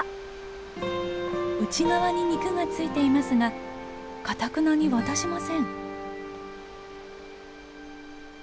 内側に肉がついていますがかたくなに渡しません。